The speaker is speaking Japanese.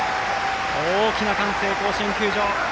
大きな歓声、甲子園球場。